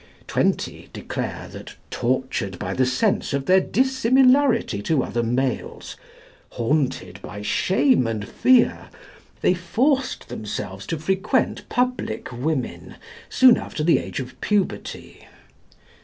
Twenty declare that, tortured by the sense of their dissimilarity to other males, haunted by shame and fear, they forced themselves to frequent public women soon after the age of puberty.